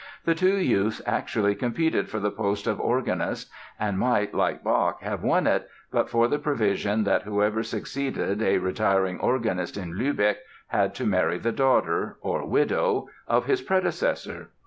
The two youths actually competed for the post of organist and might, like Bach, have won it but for the provision that whoever succeeded a retiring organist in Lübeck had to marry the daughter—or widow—of his predecessor.